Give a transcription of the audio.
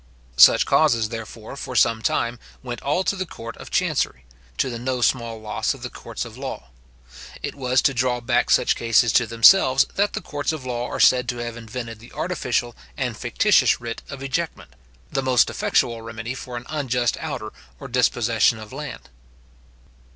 Such causes, therefore, for some time, went all to the court of chancery, to the no small loss of the courts of law. It was to draw back such causes to themselves, that the courts of law are said to have invented the artificial and fictitious writ of ejectment, the most effectual remedy for an unjust outer or dispossession of land.